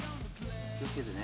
気を付けてね。